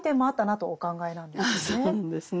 そうなんですね。